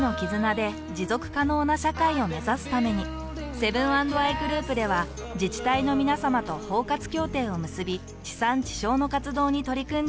セブン＆アイグループでは自治体のみなさまと包括協定を結び地産地消の活動に取り組んでいます。